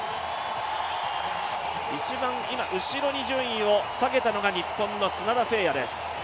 一番後ろに順位を下げたのが、日本の砂田晟弥です。